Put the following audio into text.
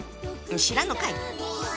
知らんのかい！